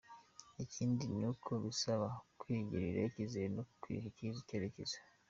Ikindi ni uko bisaba kwigirira icyizere no kwiha icyerekezo.